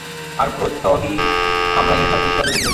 আর প্রত্যহই আমরা ইহার দৃষ্টান্ত দেখিতেছি।